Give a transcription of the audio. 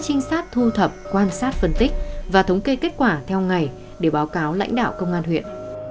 trinh sát thu thập quan sát phân tích và thống kê kết quả theo ngày để báo cáo lãnh đạo công an huyện